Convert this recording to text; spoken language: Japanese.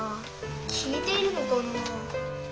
聞いてるのかな？